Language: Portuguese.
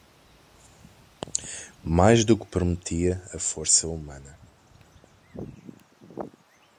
Mais do que prometia a força humana